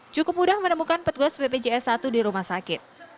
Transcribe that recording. cukup mudah menemukan petugas bpjs satu di rumah sakit